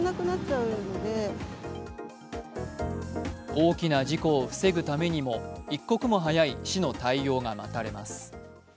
大きな事故を防ぐためにも一刻も早い市の対応が待たれます。